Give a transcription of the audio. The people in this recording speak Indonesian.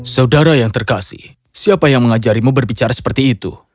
saudara yang terkasih siapa yang mengajarimu berbicara seperti itu